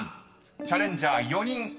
［チャレンジャー４人］